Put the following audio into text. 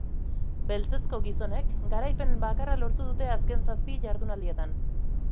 Beltzezko gizonek garaipen bakarra lortu dute azken zazpi jardunaldietan.